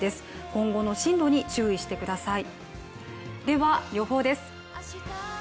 今後の進路に注意してください。